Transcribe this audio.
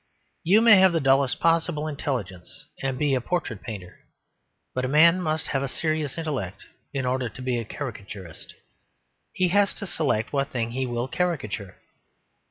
You may have the dullest possible intelligence and be a portrait painter; but a man must have a serious intellect in order to be a caricaturist. He has to select what thing he will caricature.